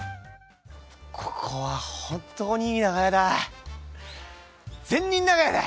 ここは本当にいい長屋だ。